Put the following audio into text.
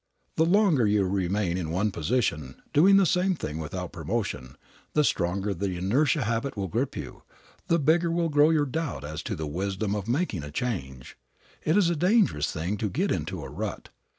The longer you remain in one position, doing the same thing without promotion, the stronger the inertia habit will grip you, the bigger will grow your doubt as to the wisdom of making a change. It is a dangerous thing to get into a rut.